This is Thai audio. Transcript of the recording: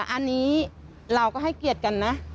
อันนี้เราก็ให้เกียรติกันนะ